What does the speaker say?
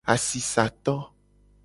Asisato.